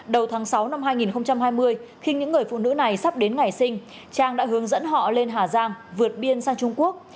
đầu tháng sáu năm hai nghìn hai mươi khi những người phụ nữ này sắp đến ngày sinh trang đã hướng dẫn họ lên hà giang vượt biên sang trung quốc